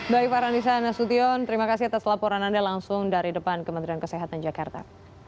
baik farhanisa nasution terima kasih atas laporan anda langsung dari depan kementerian kesehatan jakarta